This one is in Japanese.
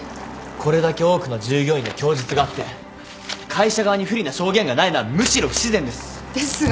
これだけ多くの従業員の供述があって会社側に不利な証言がないのはむしろ不自然です。ですが。